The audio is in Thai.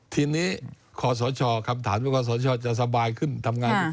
ทีนี้คำถามของขอสรชอจะสบายขึ้นทำงาน